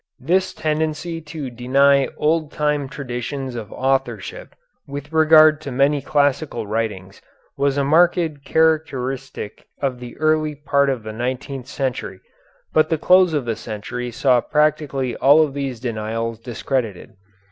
This tendency to deny old time traditions of authorship with regard to many classical writings was a marked characteristic of the early part of the nineteenth century, but the close of the century saw practically all of these denials discredited.